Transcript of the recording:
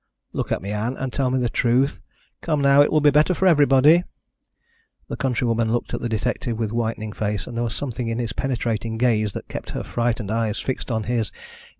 "Look at me, Ann, and tell me the truth. Come now, it will be better for everybody." The countrywoman looked at the detective with whitening face, and there was something in his penetrating gaze that kept her frightened eyes fixed on his.